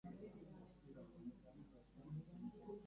Artistei dagokionez, zenbait datu interesgarri jakinarazi dituzte.